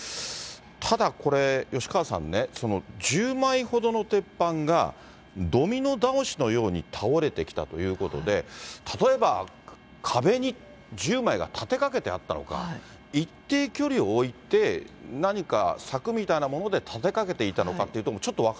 ただこれ、吉川さんね、１０枚ほどの鉄板が、ドミノ倒しのように倒れてきたということで、例えば壁に１０枚が立てかけてあったのか、一定距離を置いて、何か柵みたいなもので立てかけていたのかっていうところもちょっ